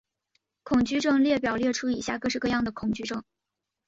恐惧症列表列出以下各式各样的恐惧症。